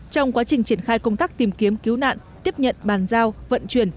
trong quá trình triển khai công tác tìm kiếm cứu nạn tiếp nhận bàn giao vận chuyển